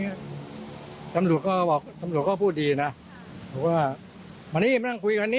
มึงรู้จักกูไหมอย่าน่าอย่าอะไรงี้